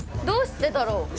どうしてだろう。